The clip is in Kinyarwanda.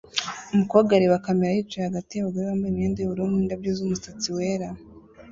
Umukobwa areba kamera yicaye hagati yabagore bambaye imyenda yubururu nindabyo zumusatsi wera